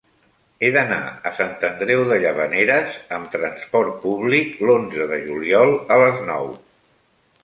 He d'anar a Sant Andreu de Llavaneres amb trasport públic l'onze de juliol a les nou.